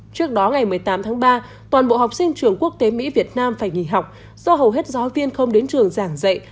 trước đó ngày một mươi tám tháng ba toàn bộ học sinh trường quốc tế mỹ việt nam phải nghỉ học do hầu hết giáo viên không đến trường giảng dạy